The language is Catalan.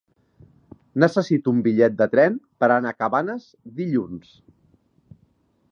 Necessito un bitllet de tren per anar a Cabanes dilluns.